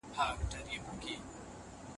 اقليتونو ته د هغوی حقوق ورکړئ.